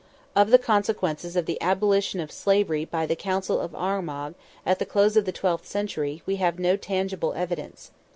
Of the consequences of the abolition of slavery by the Council of Armagh, at the close of the twelfth century, we have no tangible evidence.